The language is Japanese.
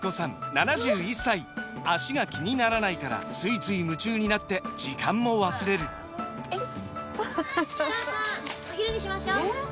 ７１歳脚が気にならないからついつい夢中になって時間も忘れるお母さんお昼にしましょうえー